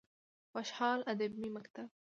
خوشحال ادبي مکتب: